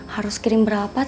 harus kirim berapa teteh